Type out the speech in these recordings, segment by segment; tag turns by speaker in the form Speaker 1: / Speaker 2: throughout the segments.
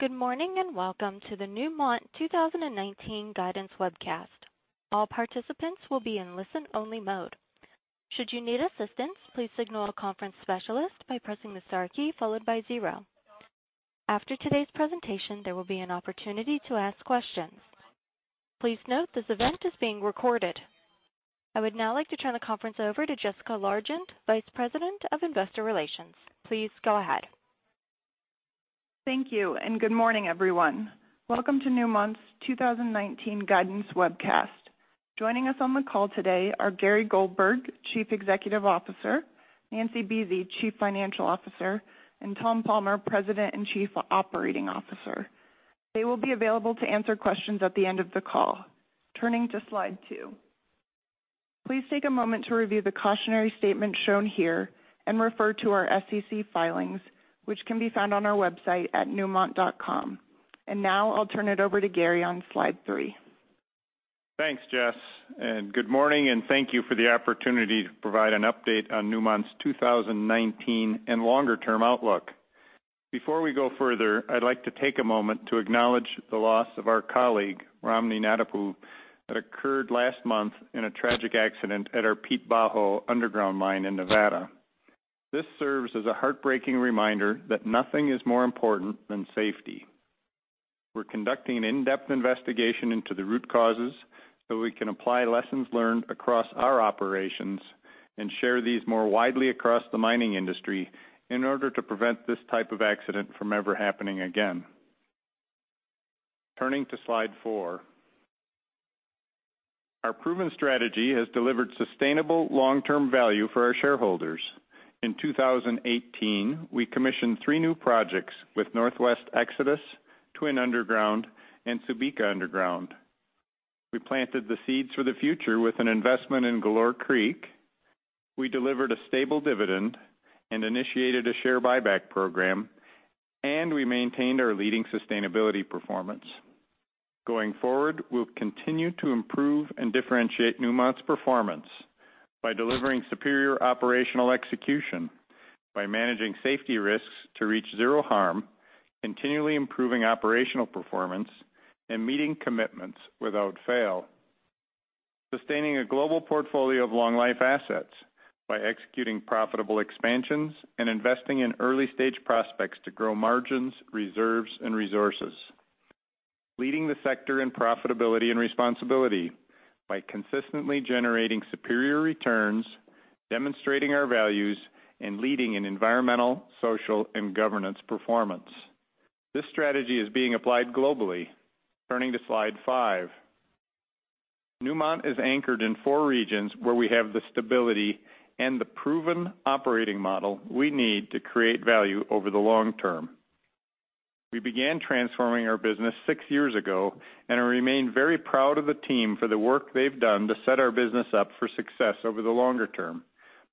Speaker 1: Good morning, and welcome to the Newmont 2019 Guidance Webcast. All participants will be in listen-only mode. Should you need assistance, please signal a conference specialist by pressing the star key followed by zero. After today's presentation, there will be an opportunity to ask questions. Please note this event is being recorded. I would now like to turn the conference over to Jessica Largent, Vice President of Investor Relations. Please go ahead.
Speaker 2: Thank you, and good morning, everyone. Welcome to Newmont's 2019 Guidance Webcast. Joining us on the call today are Gary Goldberg, Chief Executive Officer, Nancy Buese, Chief Financial Officer, and Tom Palmer, President and Chief Operating Officer. They will be available to answer questions at the end of the call. Turning to Slide two. Please take a moment to review the cautionary statement shown here and refer to our SEC filings, which can be found on our website at newmont.com. Now I'll turn it over to Gary on slide three.
Speaker 3: Thanks, Jess, and good morning, and thank you for the opportunity to provide an update on Newmont's 2019 and longer-term outlook. Before we go further, I'd like to take a moment to acknowledge the loss of our colleague, Romney Natapu, that occurred last month in a tragic accident at our Pete Bajo underground mine in Nevada. This serves as a heartbreaking reminder that nothing is more important than safety. We're conducting an in-depth investigation into the root causes so we can apply lessons learned across our operations and share these more widely across the mining industry in order to prevent this type of accident from ever happening again. Turning to slide four. Our proven strategy has delivered sustainable long-term value for our shareholders. In 2018, we commissioned three new projects with Northwest Exodus, Twin Underground, and Subika Underground. We planted the seeds for the future with an investment in Galore Creek. We maintained our leading sustainability performance. Going forward, we'll continue to improve and differentiate Newmont's performance by delivering superior operational execution, by managing safety risks to reach zero harm, continually improving operational performance, and meeting commitments without fail. Sustaining a global portfolio of long-life assets by executing profitable expansions and investing in early-stage prospects to grow margins, reserves, and resources. Leading the sector in profitability and responsibility by consistently generating superior returns, demonstrating our values, and leading in environmental, social, and governance performance. This strategy is being applied globally. Turning to slide five. Newmont is anchored in four regions where we have the stability and the proven operating model we need to create value over the long term. We began transforming our business six years ago and remain very proud of the team for the work they've done to set our business up for success over the longer term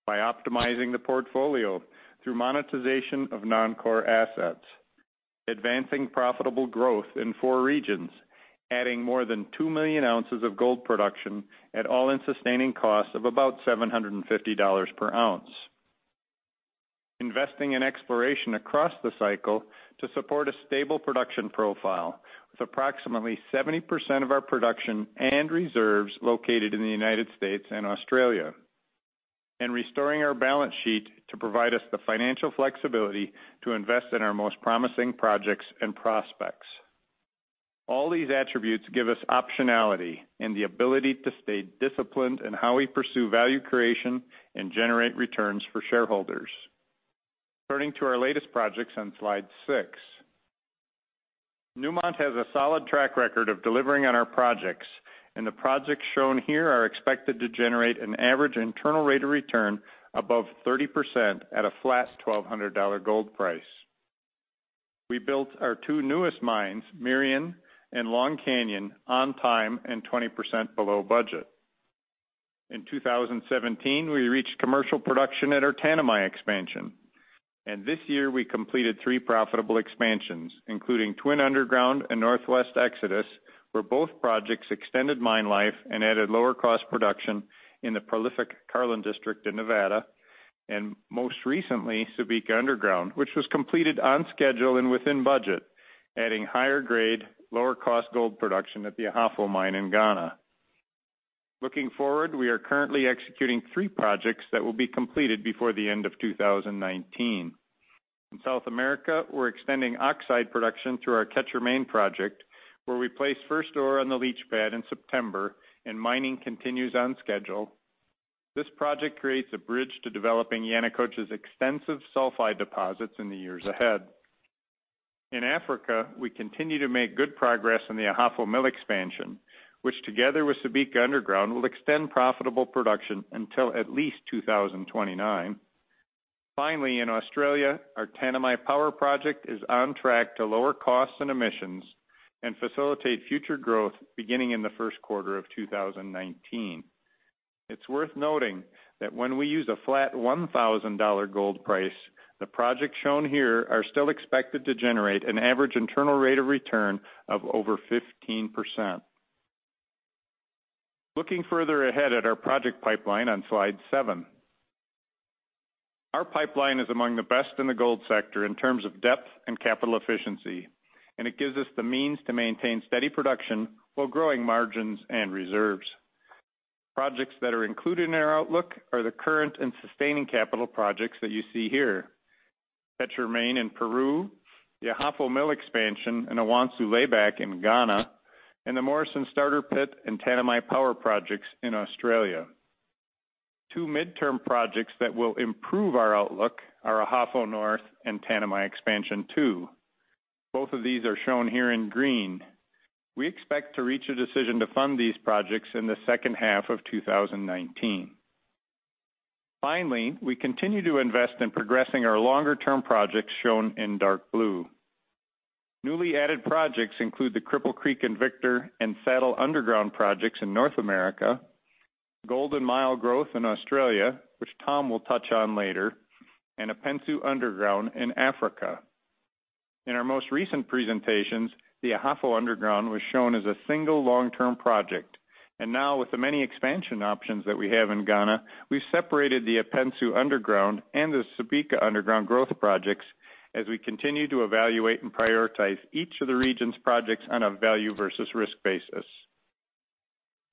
Speaker 3: by optimizing the portfolio through monetization of non-core assets, advancing profitable growth in four regions, adding more than 2 million ounces of gold production at all-in sustaining costs of about $750 per ounce. Investing in exploration across the cycle to support a stable production profile, with approximately 70% of our production and reserves located in the United States and Australia. Restoring our balance sheet to provide us the financial flexibility to invest in our most promising projects and prospects. All these attributes give us optionality and the ability to stay disciplined in how we pursue value creation and generate returns for shareholders. Turning to our latest projects on slide six. Newmont has a solid track record of delivering on our projects. The projects shown here are expected to generate an average internal rate of return above 30% at a flat $1,200 gold price. We built our two newest mines, Merian and Long Canyon, on time and 20% below budget. In 2017, we reached commercial production at our Tanami expansion. This year, we completed three profitable expansions, including Twin Underground and Northwest Exodus, where both projects extended mine life and added lower-cost production in the prolific Carlin District in Nevada, and most recently, Subika Underground, which was completed on schedule and within budget, adding higher-grade, lower-cost gold production at the Ahafo mine in Ghana. Looking forward, we are currently executing three projects that will be completed before the end of 2019. In South America, we're extending oxide production through our Quecher Main project, where we placed first ore on the leach pad in September, and mining continues on schedule. This project creates a bridge to developing Yanacocha's extensive sulfide deposits in the years ahead. In Africa, we continue to make good progress in the Ahafo Mill Expansion, which, together with Subika Underground, will extend profitable production until at least 2029. In Australia, our Tanami Power Project is on track to lower costs and emissions and facilitate future growth beginning in the first quarter of 2019. It's worth noting that when we use a flat $1,000 gold price, the projects shown here are still expected to generate an average internal rate of return of over 15%. Looking further ahead at our project pipeline on slide seven. Our pipeline is among the best in the gold sector in terms of depth and capital efficiency. It gives us the means to maintain steady production while growing margins and reserves. Projects that are included in our outlook are the current and sustaining capital projects that you see here: Quecher Main in Peru, the Ahafo Mill Expansion, and Awonsu Layback in Ghana, and the Morrison starter it and Tanami Power projects in Australia. Two midterm projects that will improve our outlook are Ahafo North and Tanami Expansion 2. Both of these are shown here in green. We expect to reach a decision to fund these projects in the second half of 2019. We continue to invest in progressing our longer-term projects shown in dark blue. Newly added projects include the Cripple Creek & Victor, and Saddle underground projects in North America, Golden Mile growth in Australia, which Tom will touch on later, and Apensu Underground in Africa. In our most recent presentations, the Ahafo Underground was shown as a single long-term project. Now with the many expansion options that we have in Ghana, we've separated the Apensu Underground and the Subika Underground growth projects as we continue to evaluate and prioritize each of the region's projects on a value versus risk basis.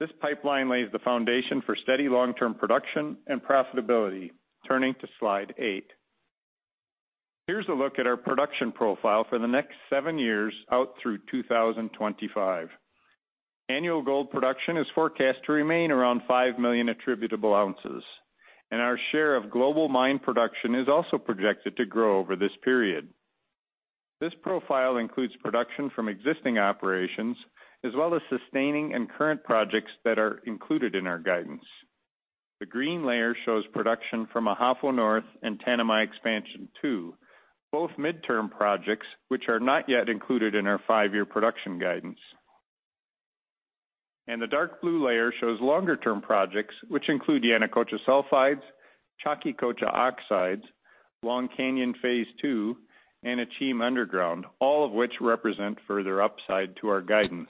Speaker 3: This pipeline lays the foundation for steady long-term production and profitability. Turning to slide eight. Here's a look at our production profile for the next seven years out through 2025. Annual gold production is forecast to remain around 5 million attributable ounces, and our share of global mine production is also projected to grow over this period. This profile includes production from existing operations as well as sustaining and current projects that are included in our guidance. The green layer shows production from Ahafo North and Tanami Expansion 2, both midterm projects, which are not yet included in our 5-year production guidance. The dark blue layer shows longer-term projects, which include the Yanacocha Sulfides, Chaquicocha Oxides, Long Canyon Phase 2, and Akyem Underground, all of which represent further upside to our guidance.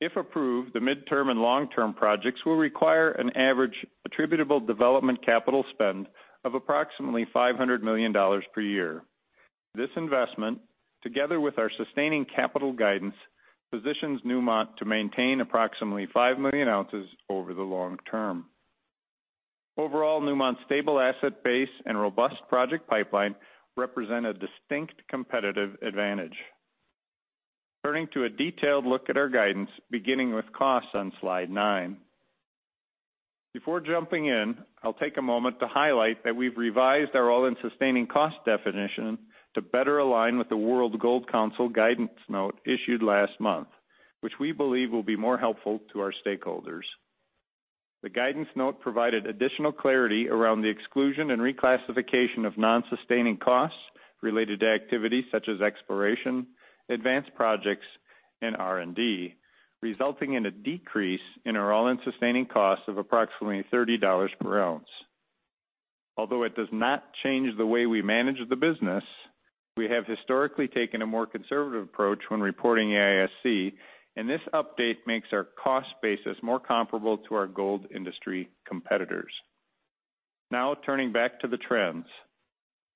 Speaker 3: If approved, the midterm and long-term projects will require an average attributable development capital spend of approximately $500 million per year. This investment, together with our sustaining capital guidance, positions Newmont to maintain approximately 5 million ounces over the long term. Overall, Newmont's stable asset base and robust project pipeline represent a distinct competitive advantage. Turning to a detailed look at our guidance, beginning with costs on slide nine. Before jumping in, I'll take a moment to highlight that we've revised our all-in sustaining costs definition to better align with the World Gold Council guidance note issued last month, which we believe will be more helpful to our stakeholders. The guidance note provided additional clarity around the exclusion and reclassification of non-sustaining costs related to activities such as exploration, advanced projects, and R&D, resulting in a decrease in our all-in sustaining costs of approximately $30 per ounce. Although it does not change the way we manage the business, we have historically taken a more conservative approach when reporting AISC. This update makes our cost basis more comparable to our gold industry competitors. Turning back to the trends.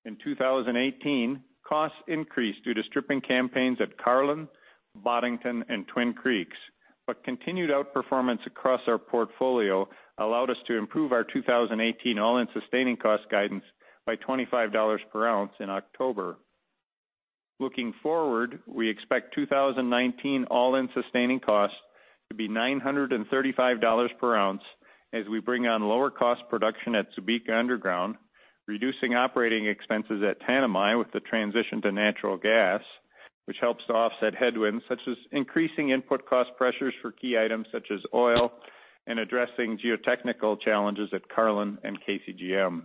Speaker 3: In 2018, costs increased due to stripping campaigns at Carlin, Boddington, and Twin Creeks. Continued outperformance across our portfolio allowed us to improve our 2018 all-in sustaining costs guidance by $25 per ounce in October. Looking forward, we expect 2019 all-in sustaining costs to be $935 per ounce as we bring on lower cost production at Subika Underground, reducing operating expenses at Tanami with the transition to natural gas, which helps to offset headwinds such as increasing input cost pressures for key items such as oil and addressing geotechnical challenges at Carlin and KCGM.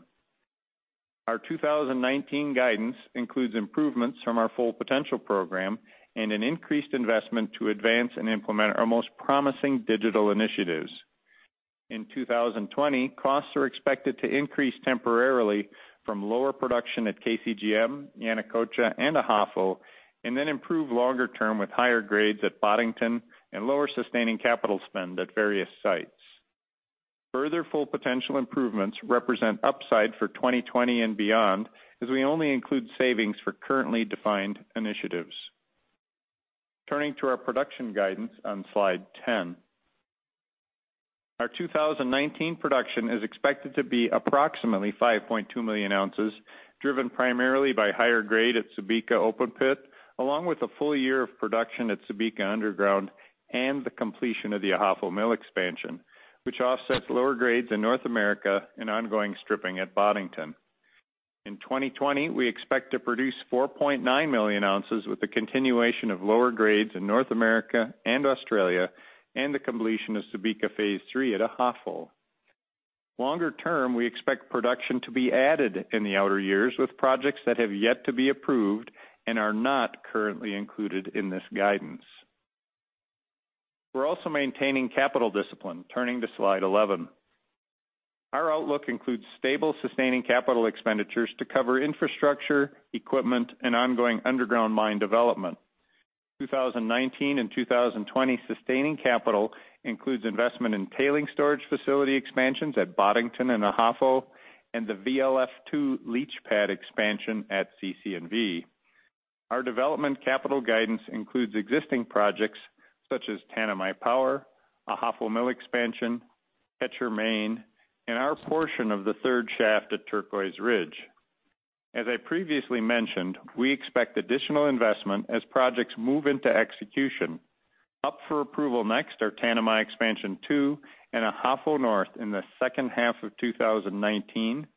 Speaker 3: Our 2019 guidance includes improvements from our Full Potential program and an increased investment to advance and implement our most promising digital initiatives. In 2020, costs are expected to increase temporarily from lower production at KCGM, Yanacocha, and Ahafo, then improve longer term with higher grades at Boddington and lower sustaining capital spend at various sites. Further Full Potential improvements represent upside for 2020 and beyond, as we only include savings for currently defined initiatives. Turning to our production guidance on slide 10. Our 2019 production is expected to be approximately 5.2 million ounces, driven primarily by higher grade at Subika open pit, along with a full year of production at Subika Underground and the completion of the Ahafo Mill Expansion, which offsets lower grades in North America and ongoing stripping at Boddington. In 2020, we expect to produce 4.9 million ounces with the continuation of lower grades in North America and Australia and the completion of Subika Phase 3 at Ahafo. Longer term, we expect production to be added in the outer years with projects that have yet to be approved and are not currently included in this guidance. We're also maintaining capital discipline. Turning to slide 11. Our outlook includes stable sustaining capital expenditures to cover infrastructure, equipment, and ongoing underground mine development. 2019 and 2020 sustaining capital includes investment in tailing storage facility expansions at Boddington and Ahafo, and the VLF2 leach pad expansion at CC&V. Our development capital guidance includes existing projects such as Tanami Power, Ahafo Mill Expansion, Quecher Main, and our portion of the third shaft at Turquoise Ridge. As I previously mentioned, we expect additional investment as projects move into execution. Up for approval next are Tanami Expansion 2 and Ahafo North in the second half of 2019,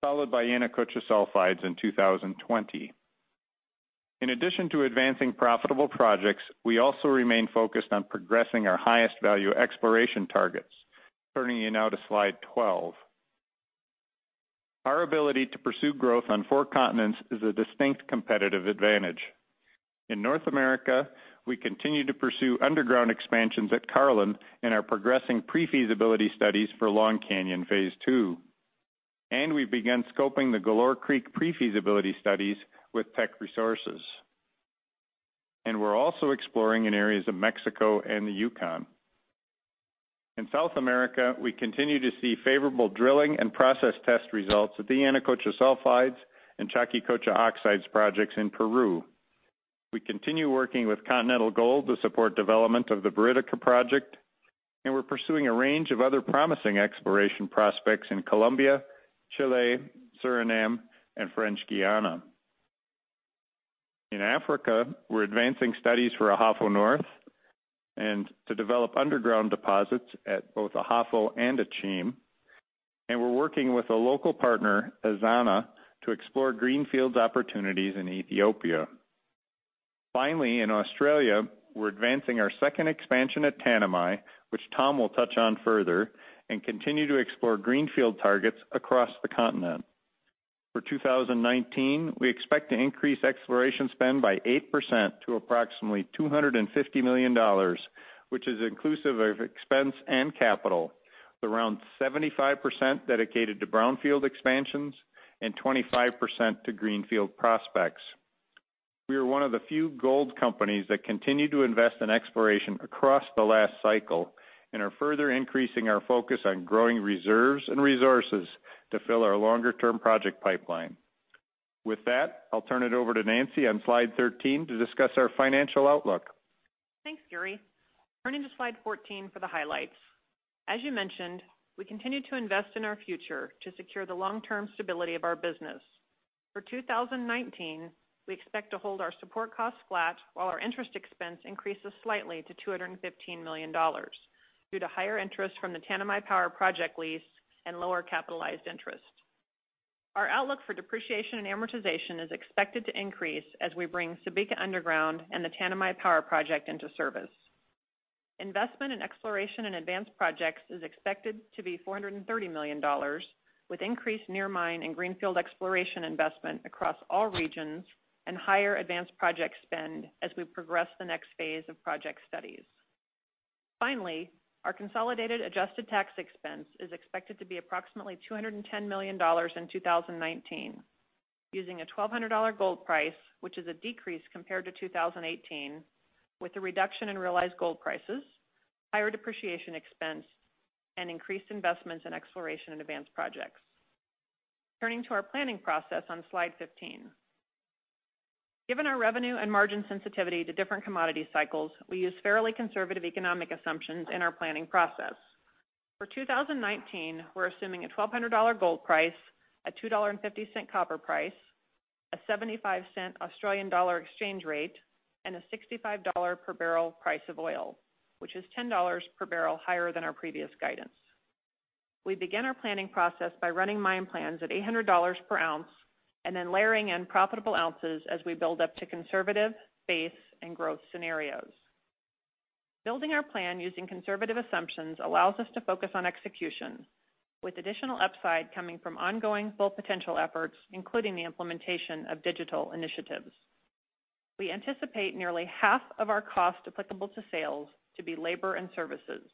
Speaker 3: followed by Yanacocha Sulfides in 2020. In addition to advancing profitable projects, we also remain focused on progressing our highest value exploration targets. Turning you now to slide 12. Our ability to pursue growth on four continents is a distinct competitive advantage. In North America, we continue to pursue underground expansions at Carlin and are progressing pre-feasibility studies for Long Canyon Phase 2. We've begun scoping the Galore Creek pre-feasibility studies with Teck Resources. We're also exploring in areas of Mexico and the Yukon. In South America, we continue to see favorable drilling and process test results at the Yanacocha Sulfides and Chaquicocha Oxides projects in Peru. We continue working with Continental Gold to support development of the Buriticá project, and we're pursuing a range of other promising exploration prospects in Colombia, Chile, Suriname, and French Guiana. In Africa, we're advancing studies for Ahafo North and to develop underground deposits at both Ahafo and Akyem, and we're working with a local partner, Ezana, to explore greenfields opportunities in Ethiopia. Finally, in Australia, we're advancing our second expansion at Tanami, which Tom will touch on further, and continue to explore greenfield targets across the continent. For 2019, we expect to increase exploration spend by 8% to approximately $250 million, which is inclusive of expense and capital, with around 75% dedicated to brownfield expansions and 25% to greenfield prospects. We are one of the few gold companies that continued to invest in exploration across the last cycle and are further increasing our focus on growing reserves and resources to fill our longer-term project pipeline. With that, I'll turn it over to Nancy on slide 13 to discuss our financial outlook.
Speaker 4: Thanks, Gary. Turning to slide 14 for the highlights. As you mentioned, we continue to invest in our future to secure the long-term stability of our business. For 2019, we expect to hold our support costs flat while our interest expense increases slightly to $215 million due to higher interest from the Tanami Power Project lease and lower capitalized interest. Our outlook for depreciation and amortization is expected to increase as we bring Subika Underground and the Tanami Power Project into service. Investment in exploration and advanced projects is expected to be $430 million, with increased near-mine and greenfield exploration investment across all regions and higher advanced project spend as we progress the next phase of project studies. Our consolidated adjusted tax expense is expected to be approximately $210 million in 2019, using a $1,200 gold price, which is a decrease compared to 2018, with a reduction in realized gold prices, higher depreciation expense, and increased investments in exploration and advanced projects. Turning to our planning process on slide 15. Given our revenue and margin sensitivity to different commodity cycles, we use fairly conservative economic assumptions in our planning process. For 2019, we're assuming a $1,200 gold price, a $2.50 copper price, a C$0.75 exchange rate, and a $65 per barrel price of oil, which is $10 per barrel higher than our previous guidance. We begin our planning process by running mine plans at $800 per ounce and then layering in profitable ounces as we build up to conservative, base, and growth scenarios. Building our plan using conservative assumptions allows us to focus on execution, with additional upside coming from ongoing Full Potential efforts, including the implementation of digital initiatives. We anticipate nearly half of our cost applicable to sales to be labor and services,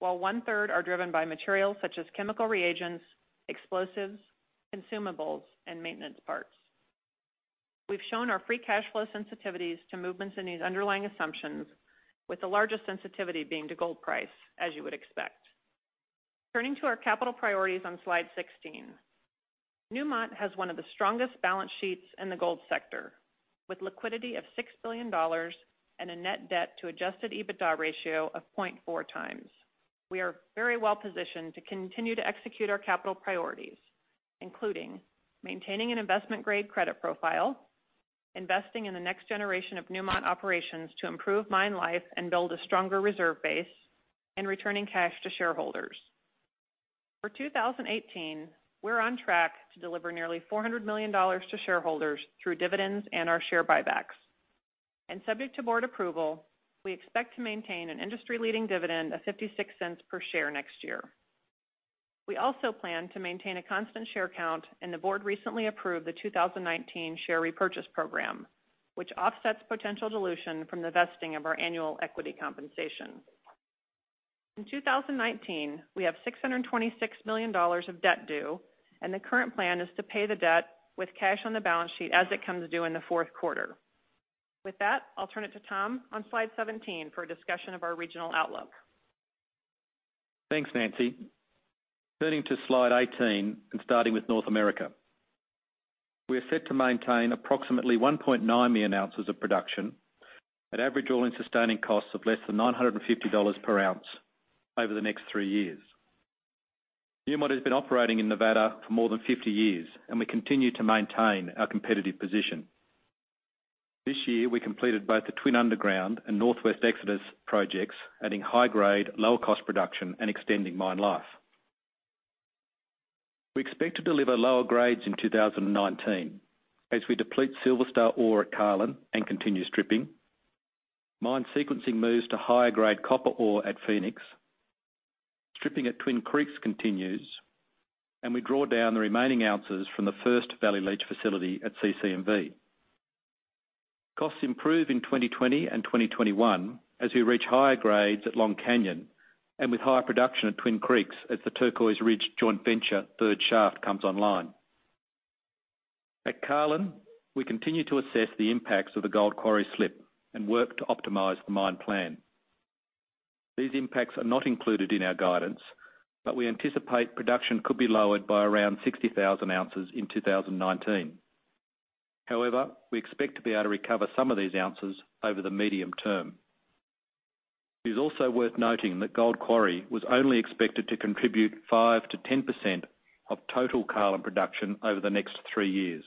Speaker 4: while one-third are driven by materials such as chemical reagents, explosives, consumables, and maintenance parts. We've shown our free cash flow sensitivities to movements in these underlying assumptions, with the largest sensitivity being to gold price, as you would expect. Turning to our capital priorities on slide 16. Newmont has one of the strongest balance sheets in the gold sector, with liquidity of $6 billion and a net debt to adjusted EBITDA ratio of 0.4x. We are very well positioned to continue to execute our capital priorities, including maintaining an investment-grade credit profile, investing in the next generation of Newmont operations to improve mine life and build a stronger reserve base, and returning cash to shareholders. For 2018, we're on track to deliver nearly $400 million to shareholders through dividends and our share buybacks. Subject to board approval, we expect to maintain an industry-leading dividend of $0.56 per share next year. We also plan to maintain a constant share count, and the board recently approved the 2019 share repurchase program, which offsets potential dilution from the vesting of our annual equity compensation. In 2019, we have $626 million of debt due, and the current plan is to pay the debt with cash on the balance sheet as it comes due in the fourth quarter. With that, I'll turn it to Tom on slide 17 for a discussion of our regional outlook.
Speaker 5: Thanks, Nancy. Turning to slide 18, starting with North America. We are set to maintain approximately 1.9 million ounces of production at average all-in sustaining costs of less than $950 per ounce over the next three years. Newmont has been operating in Nevada for more than 50 years, and we continue to maintain our competitive position. This year, we completed both the Twin Underground and Northwest Exodus projects, adding high-grade, lower-cost production and extending mine life. We expect to deliver lower grades in 2019, as we deplete Silverstar ore at Carlin and continue stripping. Mine sequencing moves to higher-grade copper ore at Phoenix. Stripping at Twin Creeks continues, and we draw down the remaining ounces from the first valley leach facility at CC&V. Costs improve in 2020 and 2021 as we reach higher grades at Long Canyon and with higher production at Twin Creeks, as the Turquoise Ridge Joint Venture third shaft comes online. At Carlin, we continue to assess the impacts of the gold quarry slip and work to optimize the mine plan. These impacts are not included in our guidance, but we anticipate production could be lowered by around 60,000 ounces in 2019. However, we expect to be able to recover some of these ounces over the medium term. It is also worth noting that gold quarry was only expected to contribute 5%-10% of total Carlin production over the next three years.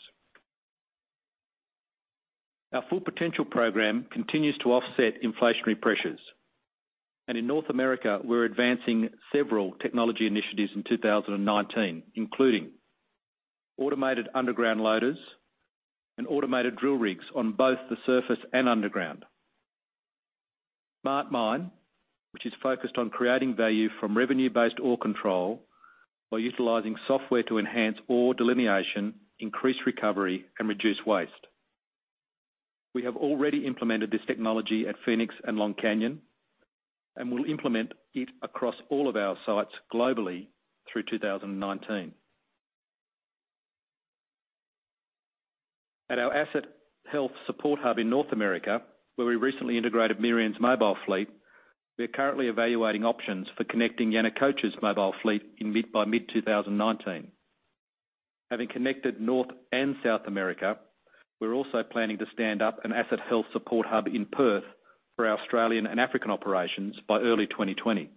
Speaker 5: Our Full Potential program continues to offset inflationary pressures, and in North America, we're advancing several technology initiatives in 2019, including automated underground loaders and automated drill rigs on both the surface and underground. SmartMine, which is focused on creating value from revenue-based ore control by utilizing software to enhance ore delineation, increase recovery, and reduce waste. We have already implemented this technology at Phoenix and Long Canyon, and will implement it across all of our sites globally through 2019. At our asset health support hub in North America, where we recently integrated Merian's mobile fleet, we are currently evaluating options for connecting Yanacocha's mobile fleet by mid-2019. Having connected North and South America, we're also planning to stand up an asset health support hub in Perth for our Australian and African operations by early 2020.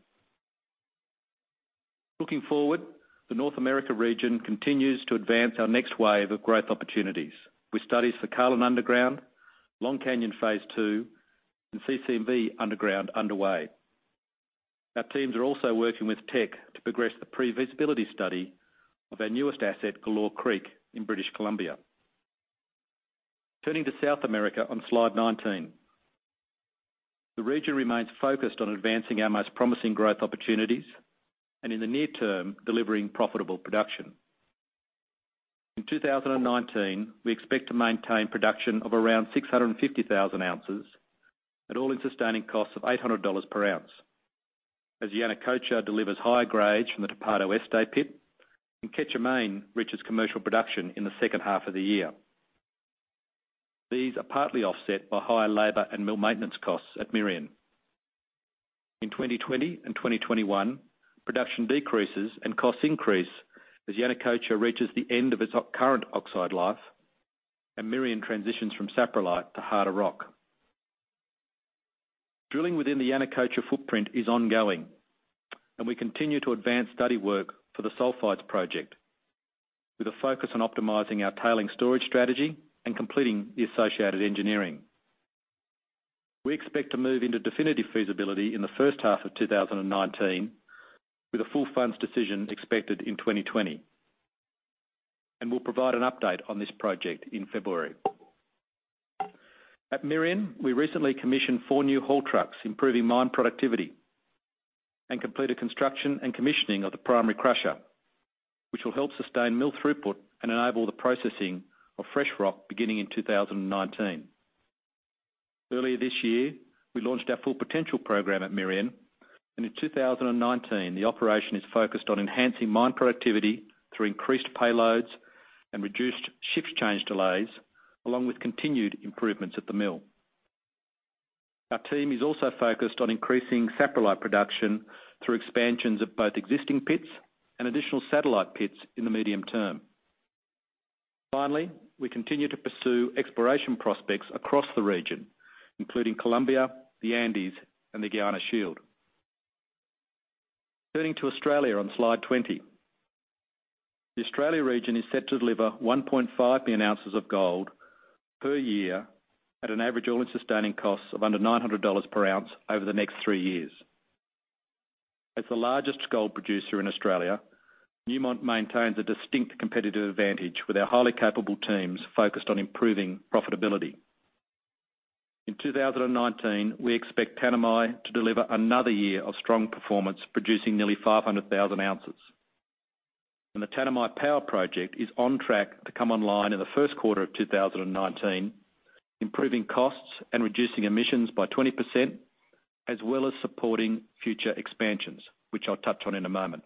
Speaker 5: Looking forward, the North America region continues to advance our next wave of growth opportunities with studies for Carlin Underground, Long Canyon Phase 2, and CC&V Underground underway. Our teams are also working with Teck to progress the pre-feasibility study of our newest asset, Galore Creek, in British Columbia. Turning to South America on slide 19. The region remains focused on advancing our most promising growth opportunities and, in the near term, delivering profitable production. In 2019, we expect to maintain production of around 650,000 ounces at all-in sustaining costs of $800 per ounce as Yanacocha delivers high grades from the Tapado Oeste pit and Quecher Main reaches commercial production in the second half of the year. These are partly offset by higher labor and mill maintenance costs at Merian. In 2020 and 2021, production decreases and costs increase as Yanacocha reaches the end of its current oxide life and Merian transitions from saprolite to harder rock. Drilling within the Yanacocha footprint is ongoing. We continue to advance study work for the Sulfides project with a focus on optimizing our tailing storage strategy and completing the associated engineering. We expect to move into definitive feasibility in the first half of 2019, with a full funds decision expected in 2020. We'll provide an update on this project in February. At Merian, we recently commissioned four new haul trucks, improving mine productivity, and completed construction and commissioning of the primary crusher, which will help sustain mill throughput and enable the processing of fresh rock beginning in 2019. Earlier this year, we launched our Full Potential program at Merian. In 2019, the operation is focused on enhancing mine productivity through increased payloads and reduced shift change delays, along with continued improvements at the mill. Our team is also focused on increasing saprolite production through expansions of both existing pits and additional satellite pits in the medium term. Finally, we continue to pursue exploration prospects across the region, including Colombia, the Andes, and the Guiana Shield. Turning to Australia on Slide 20. The Australia region is set to deliver 1.5 million ounces of gold per year at an average all-in sustaining cost of under $900 per ounce over the next three years. As the largest gold producer in Australia, Newmont maintains a distinct competitive advantage with our highly capable teams focused on improving profitability. In 2019, we expect Tanami to deliver another year of strong performance, producing nearly 500,000 ounces. The Tanami Power Project is on track to come online in the first quarter of 2019, improving costs and reducing emissions by 20%, as well as supporting future expansions, which I'll touch on in a moment.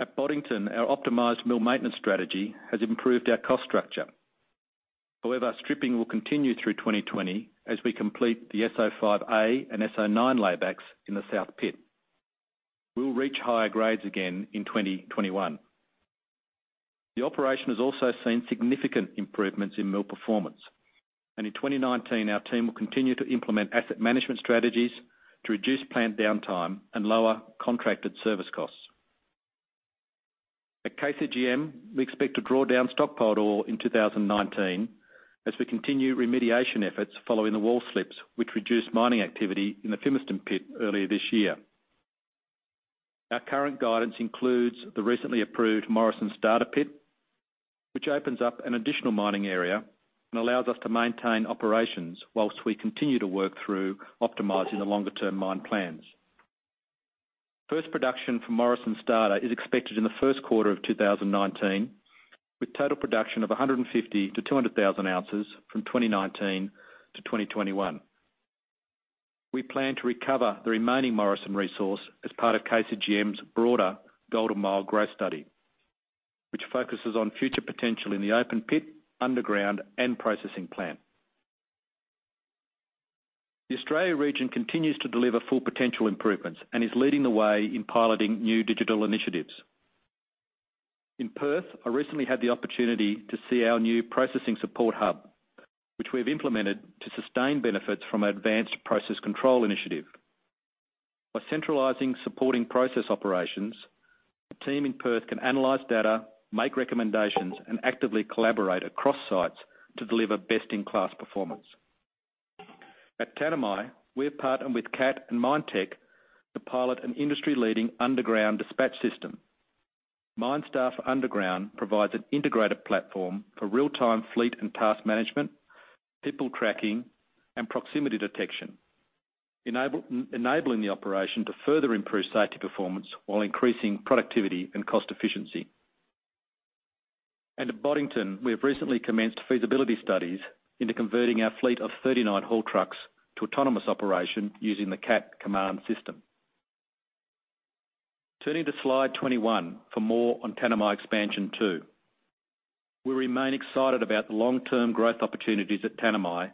Speaker 5: At Boddington, our optimized mill maintenance strategy has improved our cost structure. However, stripping will continue through 2020 as we complete the S05A and S09 laybacks in the south pit. We'll reach higher grades again in 2021. The operation has also seen significant improvements in mill performance. In 2019, our team will continue to implement asset management strategies to reduce plant downtime and lower contracted service costs. At KCGM, we expect to draw down stockpile ore in 2019, as we continue remediation efforts following the wall slips, which reduced mining activity in the Fimiston pit earlier this year. Our current guidance includes the recently approved Morrison starter pit, which opens up an additional mining area and allows us to maintain operations whilst we continue to work through optimizing the longer term mine plans. First production from Morrison starter is expected in the first quarter of 2019, with total production of 150,000-200,000 ounces from 2019 to 2021. We plan to recover the remaining Morrison resource as part of KCGM's broader Golden Mile growth study, which focuses on future potential in the open pit, underground, and processing plant. The Australia region continues to deliver Full Potential improvements and is leading the way in piloting new digital initiatives. In Perth, I recently had the opportunity to see our new processing support hub, which we've implemented to sustain benefits from our advanced process control initiative. By centralizing supporting process operations, the team in Perth can analyze data, make recommendations, and actively collaborate across sites to deliver best-in-class performance. At Tanami, we have partnered with Cat and Minetec to pilot an industry-leading underground dispatch system. MineStar Underground provides an integrated platform for real-time fleet and task management, people tracking, and proximity detection, enabling the operation to further improve safety performance while increasing productivity and cost efficiency. At Boddington, we have recently commenced feasibility studies into converting our fleet of 39 haul trucks to autonomous operation using the Cat Command system. Turning to slide 21 for more on Tanami Expansion 2. We remain excited about the long-term growth opportunities at Tanami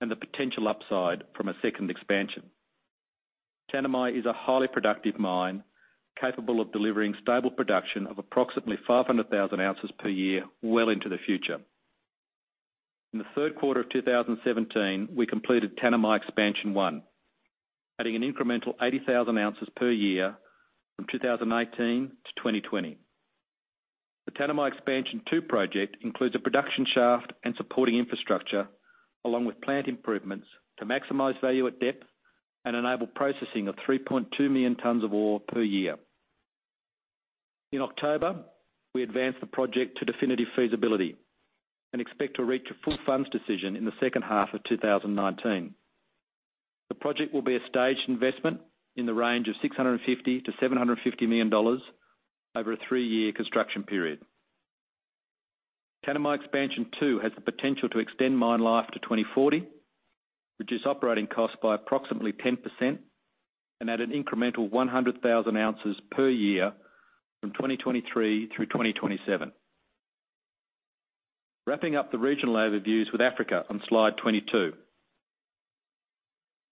Speaker 5: and the potential upside from a second expansion. Tanami is a highly productive mine, capable of delivering stable production of approximately 500,000 ounces per year well into the future. In the third quarter of 2017, we completed Tanami Expansion 1, adding an incremental 80,000 ounces per year from 2018 to 2020. The Tanami Expansion 2 project includes a production shaft and supporting infrastructure, along with plant improvements to maximize value at depth and enable processing of 3.2 million tons of ore per year. In October, we advanced the project to definitive feasibility and expect to reach a full funds decision in the second half of 2019. The project will be a staged investment in the range of $650 million-$750 million over a three-year construction period. Tanami Expansion 2 has the potential to extend mine life to 2040, reduce operating costs by approximately 10%, and add an incremental 100,000 ounces per year from 2023 through 2027. Wrapping up the regional overviews with Africa on slide 22.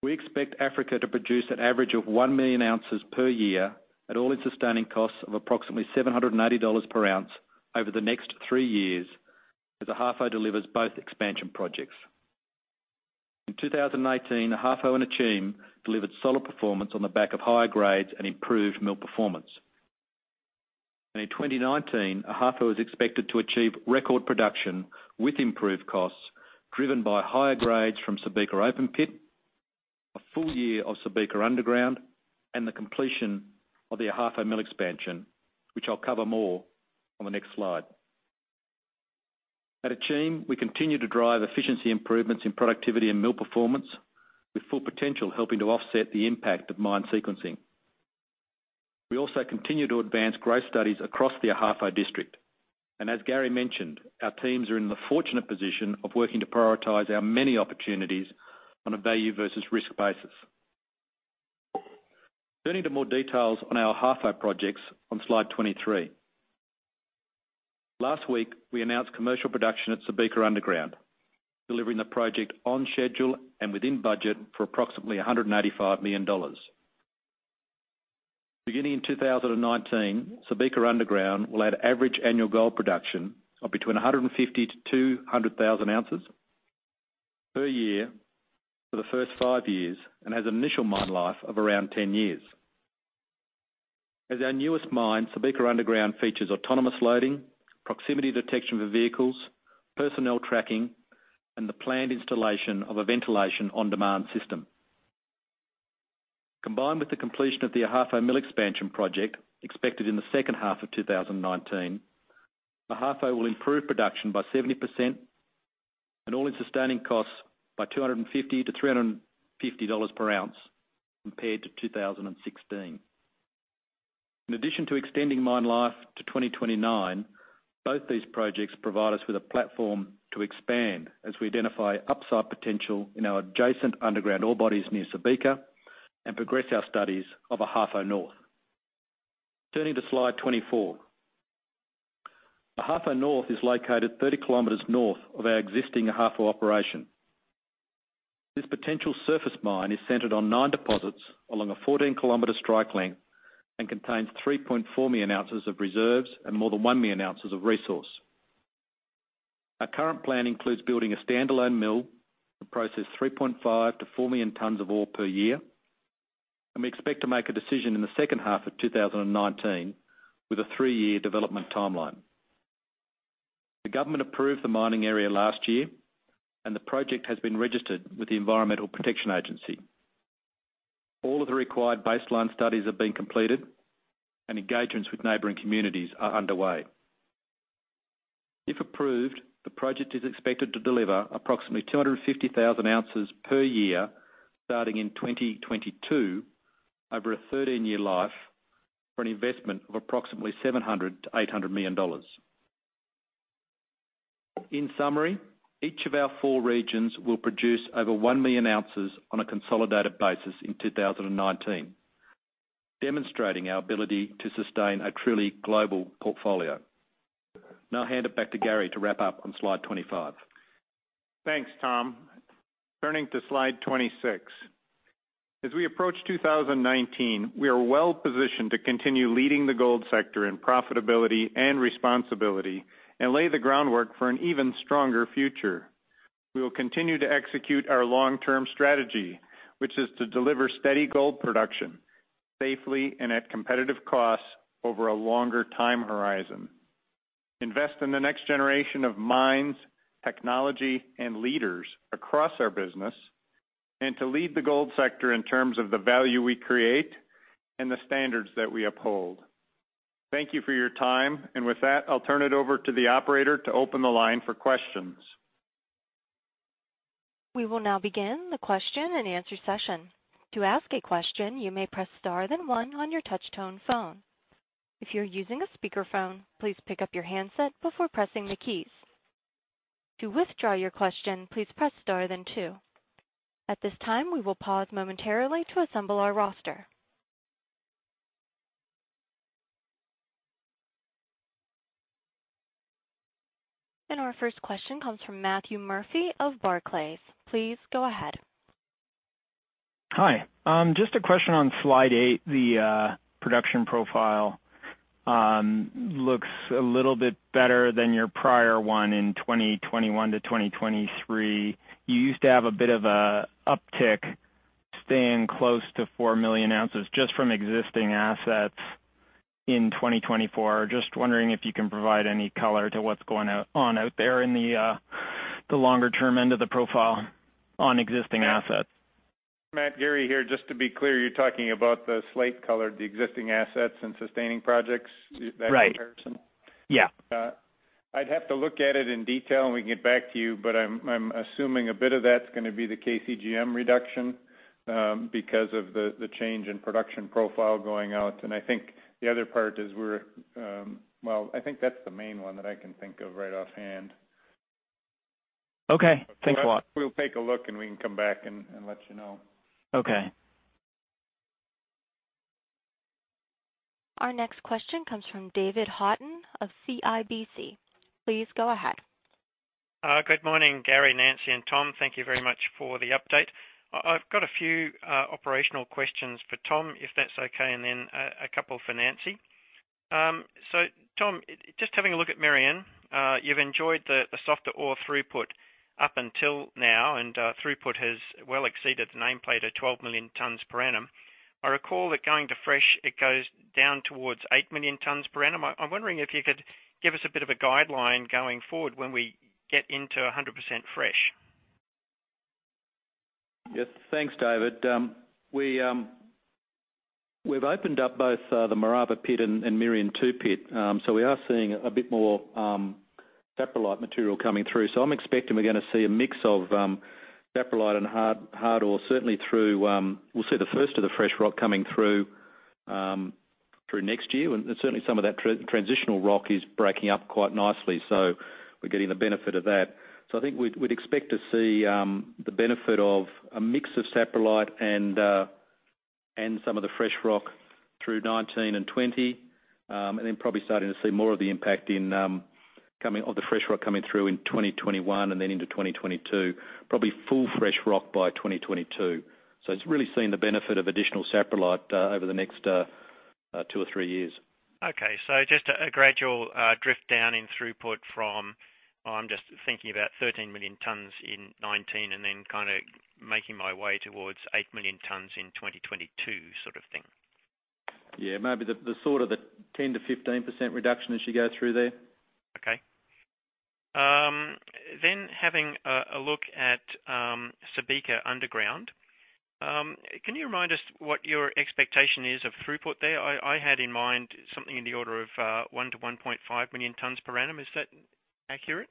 Speaker 5: We expect Africa to produce an average of 1 million ounces per year at all-in sustaining costs of approximately $780 per ounce over the next three years as Ahafo delivers both expansion projects. In 2018, Ahafo and Akyem delivered solid performance on the back of higher grades and improved mill performance. In 2019, Ahafo is expected to achieve record production with improved costs driven by higher grades from Subika open pit, a full year of Subika Underground, and the completion of the Ahafo Mill Expansion, which I'll cover more on the next slide. At Akyem, we continue to drive efficiency improvements in productivity and mill performance, with Full Potential helping to offset the impact of mine sequencing. We also continue to advance growth studies across the Ahafo district. As Gary mentioned, our teams are in the fortunate position of working to prioritize our many opportunities on a value versus risk basis. Turning to more details on our Ahafo projects on slide 23. Last week, we announced commercial production at Subika Underground, delivering the project on schedule and within budget for approximately $185 million. Beginning in 2019, Subika Underground will add average annual gold production of between 150,000-200,000 ounces per year for the first five years, and has an initial mine life of around 10 years. As our newest mine, Subika Underground features autonomous loading, proximity detection for vehicles, personnel tracking, and the planned installation of a ventilation on-demand system. Combined with the completion of the Ahafo Mill Expansion project, expected in the second half of 2019, Ahafo will improve production by 70%. All-in sustaining costs by $250 to $350 per ounce compared to 2016. In addition to extending mine life to 2029, both these projects provide us with a platform to expand as we identify upside potential in our adjacent underground ore bodies near Subika and progress our studies of Ahafo North. Turning to slide 24. Ahafo North is located 30 km north of our existing Ahafo operation. This potential surface mine is centered on nine deposits along a 14-km strike length and contains 3.4 million ounces of reserves and more than one million ounces of resource. Our current plan includes building a standalone mill to process 3.5 to 4 million tons of ore per year. We expect to make a decision in the second half of 2019 with a three-year development timeline. The government approved the mining area last year, and the project has been registered with the Environmental Protection Agency. All of the required baseline studies have been completed, and engagements with neighboring communities are underway. If approved, the project is expected to deliver approximately 250,000 ounces per year, starting in 2022, over a 13-year life for an investment of approximately $700 million to $800 million. In summary, each of our four regions will produce over one million ounces on a consolidated basis in 2019, demonstrating our ability to sustain a truly global portfolio. I hand it back to Gary to wrap up on slide 25.
Speaker 3: Thanks, Tom. Turning to slide 26. As we approach 2019, we are well-positioned to continue leading the gold sector in profitability and responsibility and lay the groundwork for an even stronger future. We will continue to execute our long-term strategy, which is to deliver steady gold production safely and at competitive costs over a longer time horizon, invest in the next generation of mines, technology, and leaders across our business, and to lead the gold sector in terms of the value we create and the standards that we uphold. Thank you for your time. With that, I'll turn it over to the operator to open the line for questions.
Speaker 1: We will now begin the question and answer session. To ask a question, you may press star, then one on your touch-tone phone. If you're using a speakerphone, please pick up your handset before pressing the keys. To withdraw your question, please press star then two. At this time, we will pause momentarily to assemble our roster. Our first question comes from Matthew Murphy of Barclays. Please go ahead.
Speaker 6: Hi. Just a question on slide eight. The production profile looks a little bit better than your prior one in 2021-2023. You used to have a bit of an uptick, staying close to four million ounces just from existing assets in 2024. Just wondering if you can provide any color to what's going on out there in the longer-term end of the profile on existing assets.
Speaker 3: Matt, Gary here. Just to be clear, you're talking about the slate color, the existing assets and sustaining projects-
Speaker 6: Right
Speaker 3: That comparison?
Speaker 6: Yeah.
Speaker 3: I'd have to look at it in detail and we can get back to you, but I'm assuming a bit of that's going to be the KCGM reduction because of the change in production profile going out. I think the other part is, well, I think that's the main one that I can think of right offhand.
Speaker 6: Okay. Thanks a lot.
Speaker 3: We'll take a look, and we can come back and let you know.
Speaker 6: Okay.
Speaker 1: Our next question comes from David Haughton of CIBC. Please go ahead.
Speaker 7: Good morning, Gary, Nancy, and Tom. Thank you very much for the update. I've got a few operational questions for Tom, if that's okay, and then a couple for Nancy. Tom, just having a look at Merian. You've enjoyed the softer ore throughput up until now, and throughput has well exceeded the nameplate of 12 million tons per annum. I recall that going to fresh, it goes down towards 8 million tons per annum. I'm wondering if you could give us a bit of a guideline going forward when we get into 100% fresh.
Speaker 5: Yes, thanks, David. We've opened up both the Maraba pit and Merian 2 pit. We are seeing a bit more saprolite material coming through. I'm expecting we're going to see a mix of saprolite and hard ore, certainly through, we'll see the first of the fresh rock coming through next year. Certainly, some of that transitional rock is breaking up quite nicely. We're getting the benefit of that. I think we'd expect to see the benefit of a mix of saprolite and some of the fresh rock through 2019 and 2020, then probably starting to see more of the impact of the fresh rock coming through in 2021 and then into 2022, probably full fresh rock by 2022. It's really seeing the benefit of additional saprolite over the next two or three years.
Speaker 7: Okay. Just a gradual drift down in throughput from, I'm just thinking about 13 million tons in 2019, then kind of making my way towards 8 million tons in 2022, sort of thing.
Speaker 5: Yeah, maybe the sort of the 10%-15% reduction as you go through there.
Speaker 7: Okay. Having a look at Subika Underground. Can you remind us what your expectation is of throughput there? I had in mind something in the order of one to 1.5 million tons per annum. Is that accurate?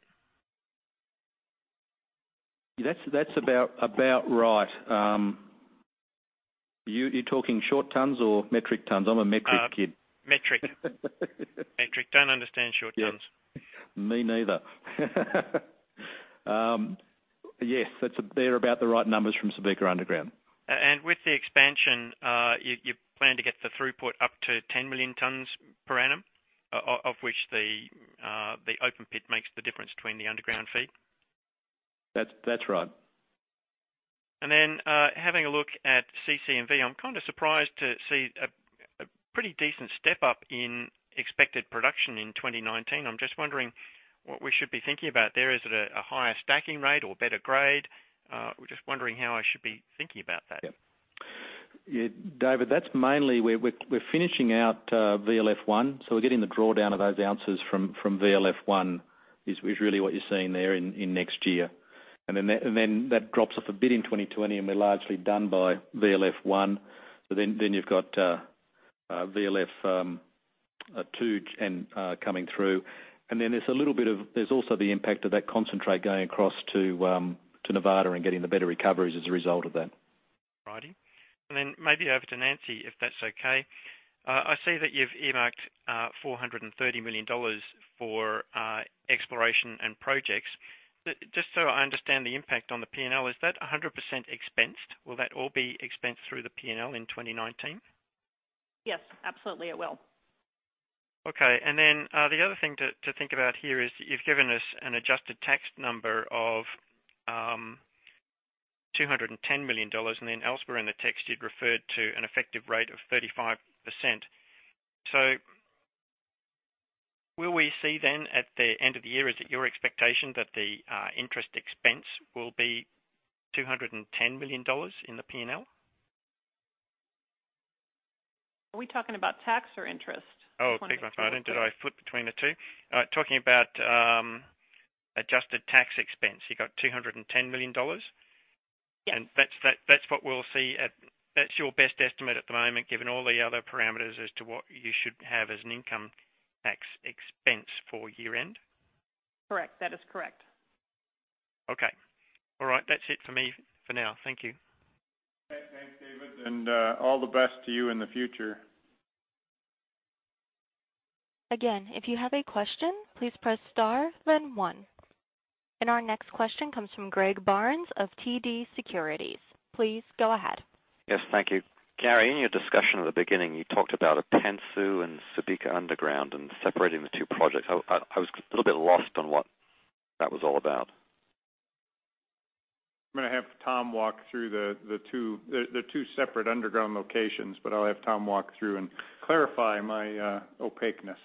Speaker 5: That's about right. You're talking short tons or metric tons? I'm a metric kid.
Speaker 7: Metric. Don't understand short tons.
Speaker 5: Me neither. Yes. They're about the right numbers from Subika Underground.
Speaker 7: With the expansion, you plan to get the throughput up to 10 million tons per annum, of which the open pit makes the difference between the underground feed?
Speaker 5: That's right.
Speaker 7: Having a look at CC&V, I'm kind of surprised to see a pretty decent step up in expected production in 2019. I'm just wondering what we should be thinking about there. Is it a higher stacking rate or better grade? We're just wondering how I should be thinking about that.
Speaker 5: Yep. David, that's mainly we're finishing out VLF1. We're getting the drawdown of those ounces from VLF1, is really what you're seeing there in next year. That drops off a bit in 2020, and we're largely done by VLF1. You've got VLF2 coming through. There's also the impact of that concentrate going across to Nevada and getting the better recoveries as a result of that.
Speaker 7: Righty. Maybe over to Nancy, if that's okay. I see that you've earmarked $430 million for exploration and projects. Just so I understand the impact on the P&L, is that 100% expensed? Will that all be expensed through the P&L in 2019?
Speaker 4: Yes, absolutely it will.
Speaker 7: Okay. The other thing to think about here is you've given us an adjusted tax number of $210 million, and then elsewhere in the text, you'd referred to an effective rate of 35%. Will we see then at the end of the year? Is it your expectation that the interest expense will be $210 million in the P&L?
Speaker 4: Are we talking about tax or interest?
Speaker 7: Oh, beg my pardon. Did I flip between the two? Talking about adjusted tax expense, you got $210 million?
Speaker 4: Yes.
Speaker 2: That's your best estimate at the moment, given all the other parameters, as to what you should have as an income tax expense for year-end?
Speaker 4: Correct. That is correct.
Speaker 7: Okay. All right. That's it for me for now. Thank you.
Speaker 3: Thanks, David, and all the best to you in the future.
Speaker 1: Again, if you have a question, please press star then one. Our next question comes from Greg Barnes of TD Securities. Please go ahead.
Speaker 8: Yes, thank you. Gary, in your discussion at the beginning, you talked about Apensu and Subika Underground and separating the two projects. I was a little bit lost on what that was all about.
Speaker 3: I'm going to have Tom walk through the two separate underground locations, but I'll have Tom walk through and clarify my opaqueness.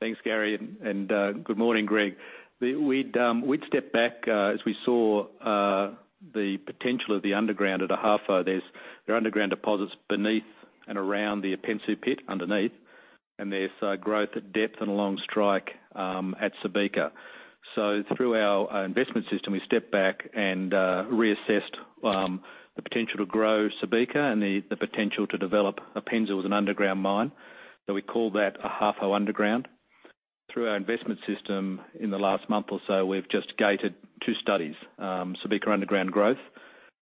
Speaker 5: Thanks, Gary, and good morning, Greg. We'd step back as we saw the potential of the underground at Ahafo. There's underground deposits beneath and around the Apensu pit underneath, and there's growth at depth and along strike at Subika. Through our investment system, we stepped back and reassessed the potential to grow Subika and the potential to develop Apensu as an underground mine. We call that Ahafo Underground. Through our investment system in the last month or so, we've just gated two studies, Subika Underground growth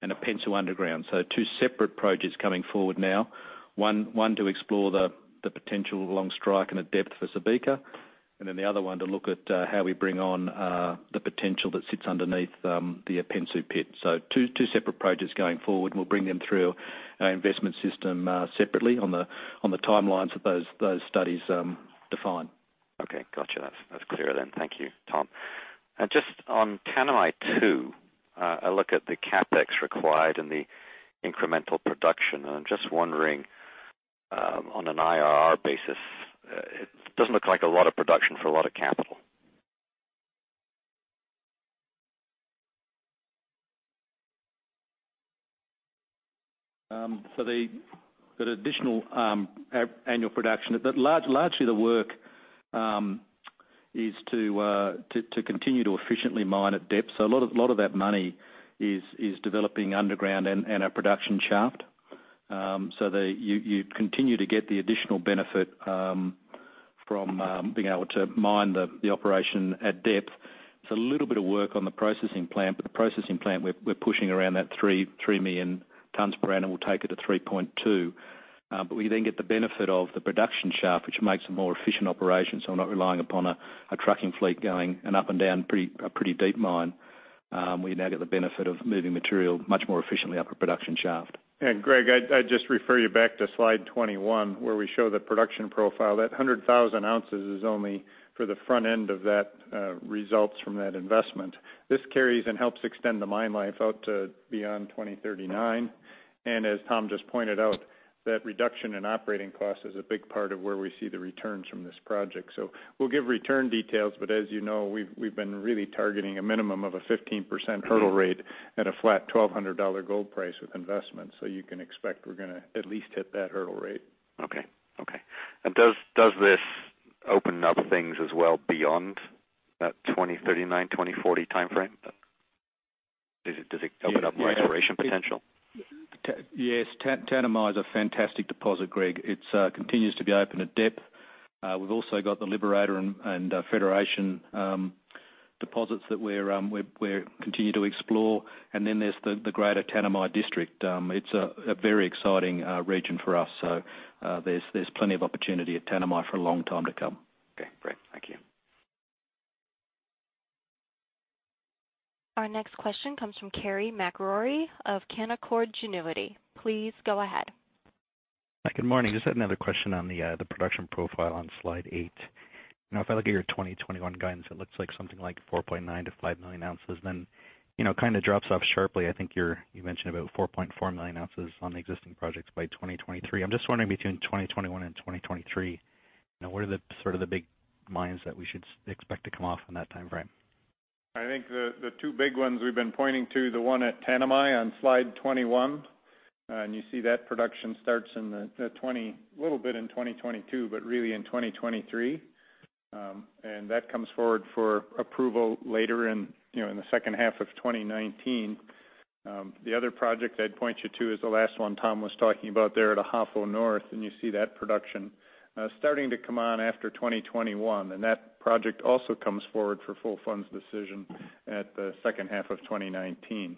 Speaker 5: and Apensu Underground. Two separate projects coming forward now. One to explore the potential along strike and at depth for Subika, and then the other one to look at how we bring on the potential that sits underneath the Apensu pit. Two separate projects going forward. We'll bring them through our investment system separately on the timelines that those studies define.
Speaker 8: Okay, got you. That's clear then. Thank you, Tom. Just on Tanami, too, a look at the CapEx required and the incremental production. I'm just wondering, on an IRR basis, it doesn't look like a lot of production for a lot of capital.
Speaker 5: The additional annual production. Largely, the work is to continue to efficiently mine at depth. A lot of that money is developing underground and our production shaft. You continue to get the additional benefit from being able to mine the operation at depth. There's a little bit of work on the processing plant, but the processing plant, we're pushing around that 3 million tons per annum. We'll take it to 3.2. We then get the benefit of the production shaft, which makes a more efficient operation. We're not relying upon a trucking fleet going up and down a pretty deep mine. We now get the benefit of moving material much more efficiently up a production shaft.
Speaker 3: Greg, I'd just refer you back to slide 21, where we show the production profile. That 100,000 ounces is only for the front end of that results from that investment. This carries and helps extend the mine life out to beyond 2039. As Tom just pointed out, that reduction in operating cost is a big part of where we see the returns from this project. We'll give return details, but as you know, we've been really targeting a minimum of a 15% hurdle rate at a flat $1,200 gold price with investment. You can expect we're going to at least hit that hurdle rate.
Speaker 8: Okay. Does this open up things as well beyond that 2039, 2040 timeframe? Does it open up more exploration potential?
Speaker 5: Yes. Tanami is a fantastic deposit, Greg. It continues to be open to dip. We've also got the Liberator and Federation deposits that we continue to explore. Then there's the greater Tanami district. It's a very exciting region for us. There's plenty of opportunity at Tanami for a long time to come.
Speaker 8: Okay, great. Thank you.
Speaker 1: Our next question comes from Carey MacRury of Canaccord Genuity. Please go ahead.
Speaker 9: Good morning. Just had another question on the production profile on slide eight. If I look at your 2021 guidance, it looks like something like 4.9 million-5 million ounces, then kind of drops off sharply. I think you mentioned about 4.4 million ounces on the existing projects by 2023. I am just wondering, between 2021 and 2023, what are the big mines that we should expect to come off in that timeframe?
Speaker 3: I think the two big ones we have been pointing to the one at Tanami on slide 21. You see that production starts a little bit in 2022, but really in 2023. That comes forward for approval later in the second half of 2019. The other project I would point you to is the last one Tom was talking about there at Ahafo North, you see that production starting to come on after 2021. That project also comes forward for full funds decision at the second half of 2019.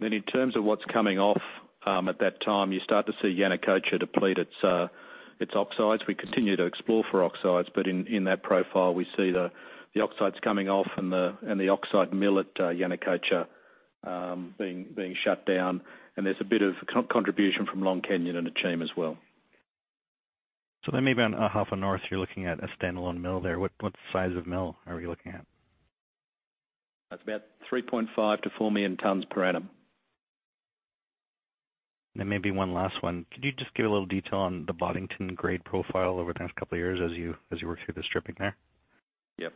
Speaker 5: In terms of what's coming off at that time, you start to see Yanacocha deplete its oxides. We continue to explore for oxides, but in that profile, we see the oxides coming off and the oxide mill at Yanacocha being shut down. There's a bit of contribution from Long Canyon and Akyem as well.
Speaker 9: Maybe on Ahafo North, you're looking at a standalone mill there. What size of mill are we looking at?
Speaker 5: It's about 3.5 to 4 million tons per annum.
Speaker 9: Maybe one last one. Could you just give a little detail on the Boddington grade profile over the next couple of years as you work through the stripping there?
Speaker 5: Yep.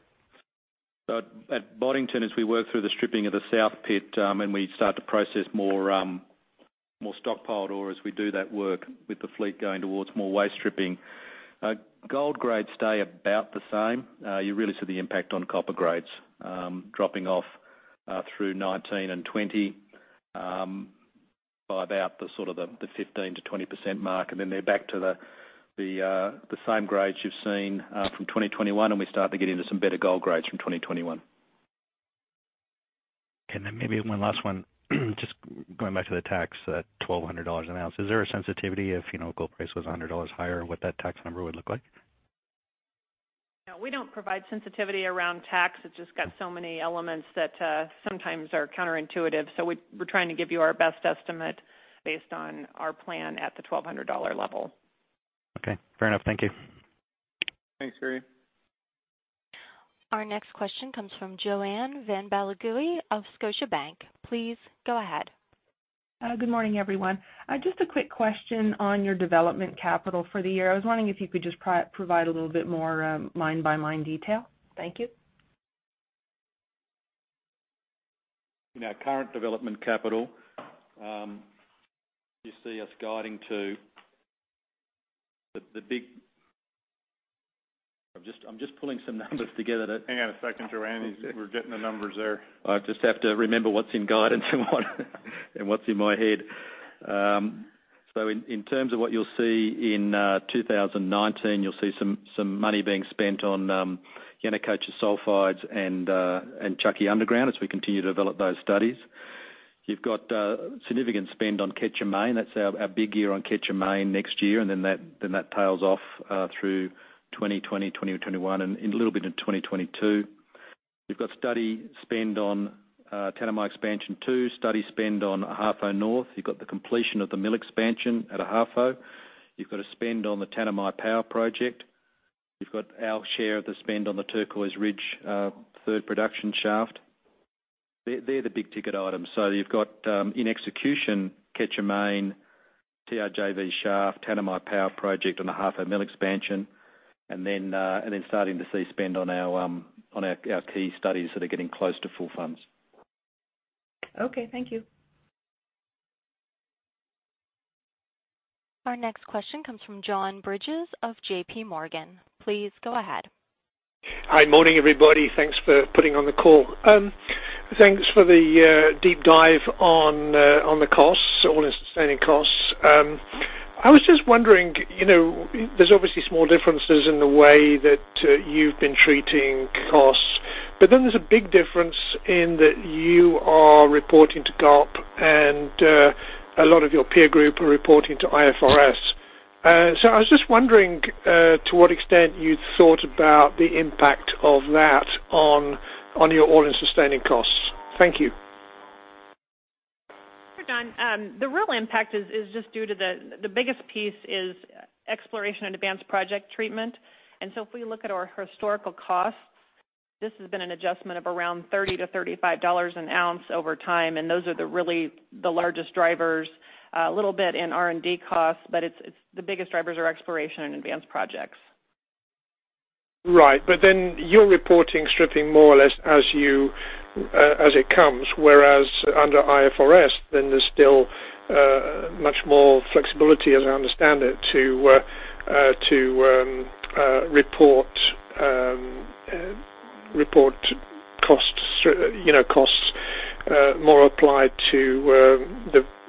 Speaker 5: At Boddington, as we work through the stripping of the south pit, and we start to process more stockpiled ore as we do that work with the fleet going towards more waste stripping. Gold grades stay about the same. You really see the impact on copper grades dropping off through 2019 and 2020 by about the 15%-20% mark, then they're back to the same grades you've seen from 2021. We start to get into some better gold grades from 2021.
Speaker 9: Okay, then maybe one last one. Just going back to the tax, that $1,200 an ounce. Is there a sensitivity if gold price goes $100 higher, what that tax number would look like?
Speaker 4: No, we don't provide sensitivity around tax. It's just got so many elements that sometimes are counterintuitive. We're trying to give you our best estimate based on our plan at the $1,200 level.
Speaker 9: Okay, fair enough. Thank you.
Speaker 3: Thanks, Carey.
Speaker 1: Our next question comes from Joanne van Ballegooie of Scotiabank. Please go ahead.
Speaker 10: Good morning, everyone. Just a quick question on your development capital for the year. I was wondering if you could just provide a little bit more line-by-line detail. Thank you.
Speaker 5: In our current development capital, you see us guiding. I'm just pulling some numbers together.
Speaker 3: Hang on a second, Joanne. We're getting the numbers there.
Speaker 5: I just have to remember what's in guidance and what's in my head. In terms of what you'll see in 2019, you'll see some money being spent on Yanacocha Sulfides and Chaquicocha Underground as we continue to develop those studies. You've got significant spend on Quecher Main. That's our big year on Quecher Main next year, and then that tails off through 2020, 2021, and a little bit in 2022. We've got study spend on Tanami Expansion 2, study spend on Ahafo North. You've got the completion of the mill expansion at Ahafo. You've got a spend on the Tanami Power Project. You've got our share of the spend on the Turquoise Ridge third production shaft. They're the big-ticket items. You've got, in execution, Quecher Main, TRJV shaft, Tanami Power Project, and Ahafo Mill Expansion. Starting to see spend on our key studies that are getting close to full funds.
Speaker 10: Okay, thank you.
Speaker 1: Our next question comes from John Bridges of JPMorgan. Please go ahead.
Speaker 11: Hi. Morning, everybody. Thanks for putting on the call. Thanks for the deep dive on the costs, all-in sustaining costs. I was just wondering, there's obviously small differences in the way that you've been treating costs. There's a big difference in that you are reporting to GAAP, and a lot of your peer group are reporting to IFRS. I was just wondering to what extent you'd thought about the impact of that on your all-in sustaining costs. Thank you.
Speaker 4: Sure, John. The real impact is just due to the biggest piece is exploration and advanced project treatment. If we look at our historical costs, this has been an adjustment of around $30-$35 an ounce over time, and those are really the largest drivers. A little bit in R&D costs, the biggest drivers are exploration and advanced projects.
Speaker 11: Right. You're reporting stripping more or less as it comes, whereas under IFRS, there's still much more flexibility, as I understand it, to report costs more applied to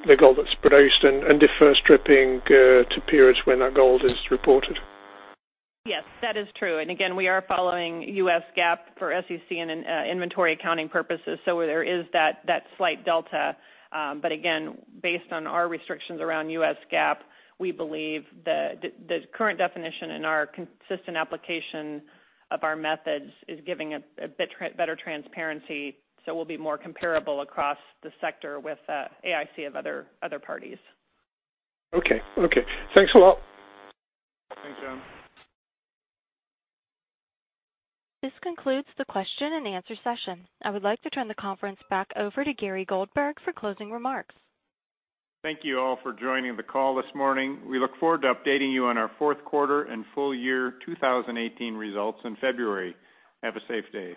Speaker 11: the gold that's produced and defer stripping to periods when that gold is reported.
Speaker 4: Yes, that is true. Again, we are following US GAAP for SEC and inventory accounting purposes. There is that slight delta. Again, based on our restrictions around US GAAP, we believe the current definition in our consistent application of our methods is giving a better transparency, so we will be more comparable across the sector with AISC of other parties.
Speaker 11: Okay. Thanks a lot.
Speaker 3: Thanks, John.
Speaker 1: This concludes the question and answer session. I would like to turn the conference back over to Gary Goldberg for closing remarks.
Speaker 3: Thank you all for joining the call this morning. We look forward to updating you on our fourth quarter and full year 2018 results in February. Have a safe day.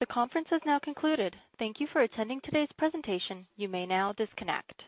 Speaker 1: The conference has now concluded. Thank you for attending today's presentation. You may now disconnect.